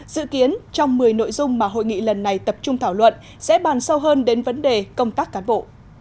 dự kiến trong một mươi nội dung mà hội nghị lần này tập trung thảo luận sẽ bàn sâu hơn đến vấn đề công tác cán bộ